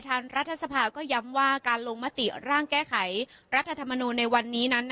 ตอนหลีกภัยประธานรัฐสภาก็ย้ำว่าการลงมติร่างแก้ไขรัฐธรรมนูนในวันนี้